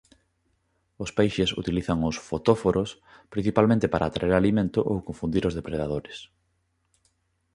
Os peixes utilizan os fotóforos principalmente para atraer alimento ou confundir aos depredadores.